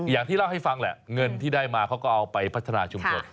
อย่างที่เล่าให้ฟังแหละเงินที่ได้มาเขาก็เอาไปพัฒนาชุมชน